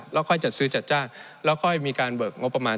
แล้วค่อยจัดซื้อจัดจ้างแล้วค่อยมีการเบิกงบประมาณ